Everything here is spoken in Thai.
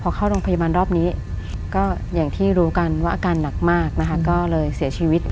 พอเข้าโรงพยาบาลรอบนี้ก็อย่างที่รู้กันว่าอาการหนักมากนะคะก็เลยเสียชีวิต